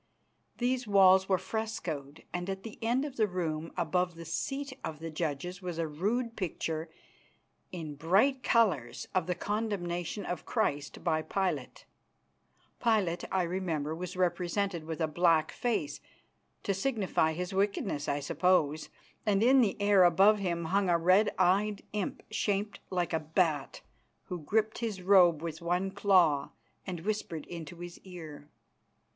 These walls were frescoed, and at the end of the room above the seat of the judges was a rude picture in bright colours of the condemnation of Christ by Pilate. Pilate, I remember, was represented with a black face, to signify his wickedness I suppose, and in the air above him hung a red eyed imp shaped like a bat who gripped his robe with one claw and whispered into his ear.